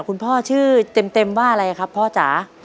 พ่อชื่อเต็มว่าอะไรครับพ่อจ๋า